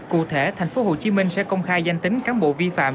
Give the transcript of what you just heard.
cụ thể tp hcm sẽ công khai danh tính cán bộ vi phạm